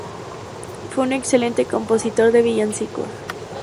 Fue un excelente compositor de villancicos.